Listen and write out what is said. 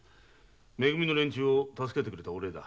め組の連中を助けてくれたお礼だ。